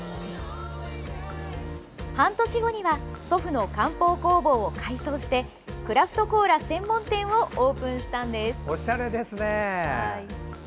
半年後には祖父の漢方工房を改装してクラフトコーラ専門店をオープンしたのです。